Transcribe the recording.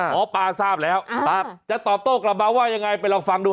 หมอปลาทราบแล้วจะตอบโต้กลับมาว่ายังไงไปลองฟังดู